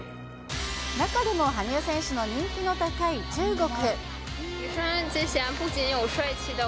中でも羽生選手の人気の高い中国。